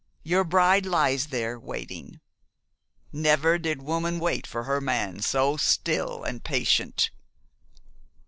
Your bride lies there, waiting. Never did woman wait for her man so still and patient."